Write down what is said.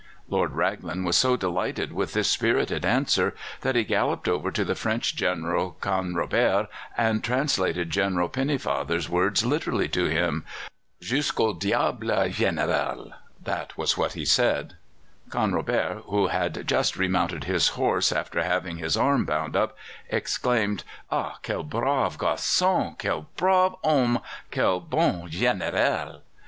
Lord Raglan was so delighted with this spirited answer that he galloped over to the French General Canrobert and translated General Pennefather's words literally to him. "Jusqu'au diable, Général!" That was what he said. Canrobert, who had just remounted his horse, after having his arm bound up, exclaimed: "Ah! quel brave garçon! quel brave homme! quel bon Général!"